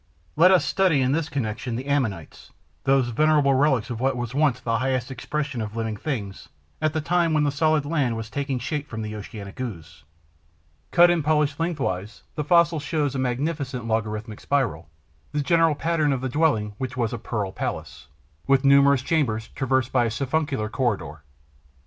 Let us study, in this connection, the Ammonites, those venerable relics of what was once the highest expression of living things, at the time when the solid land was taking shape from the oceanic ooze. Cut and polished length wise, the fossil shows a magnificent logarithmic spiral, the general pattern of the dwelling which was a pearl palace, with numerous chambers traversed by a siphuncular corridor.